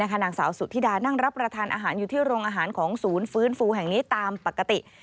นางสาวสุธิดานั่งรับประทานอาหารอยู่ที่โรงอาหารของศูนย์ฟื้นฟูแห่งนี้ตามปกติ